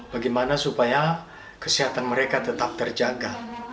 bagaimana supaya kesehatan mereka tetap terjaga